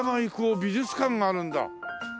美術館があるんだ。